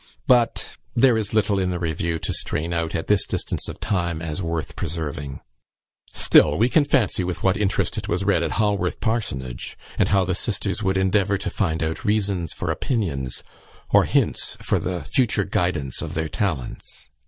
But there is little in the review to strain out, at this distance of time, as worth preserving. Still, we can fancy with what interest it was read at Haworth Parsonage, and how the sisters would endeavour to find out reasons for opinions, or hints for the future guidance of their talents.